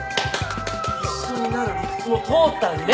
一緒になる理屈も通ったね！